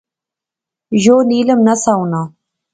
یو نیلم نہسا ہونا